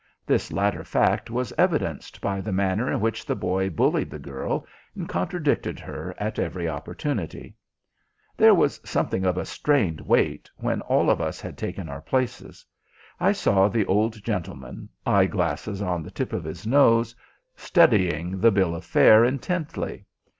This latter fact was evidenced by the manner in which the boy bullied the girl, and contradicted her at every opportunity. There was something of a strained wait when all of us had taken our places. I saw the old gentleman, eye glasses on the tip of his nose, studying the bill of fare intently.